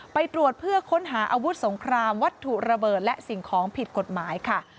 ไปตรวจเพื่อค้นหาอาวุธสงครามวัตถุระเบิดและสิ่งของผิดกฎหมายค่ะ